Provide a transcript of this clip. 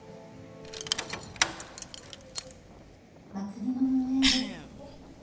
祭りの運営です。